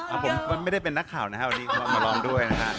อ่ะผมก็ไม่ได้เป็นนักข่าวตอนนี้มันมาร้องด้วยนะฮะ